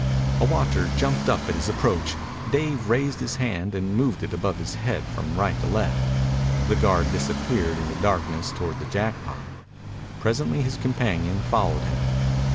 A watcher jumped up at his approach. Dave raised his hand and moved it above his head from right to left. The guard disappeared in the darkness toward the Jackpot. Presently his companion followed him.